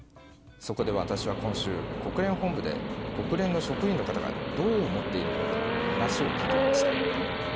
そこで私は今週国連本部で国連の職員の方がどう思っているのか話を聞いてきました。